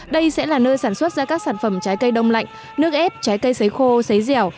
đây sẽ là nơi sản xuất ra các sản phẩm trái cây đông lạnh nước ép trái cây xấy khô xấy dẻo